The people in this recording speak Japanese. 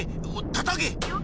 たたけ！